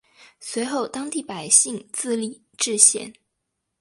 随后当地百姓自立冶县。